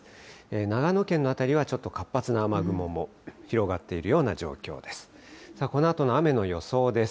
長野県の辺りはちょっと活発な雨雲も広がっているような状況です。